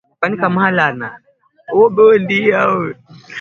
zi ambao unaonekana kukwamisha mchakato wa mazungumzo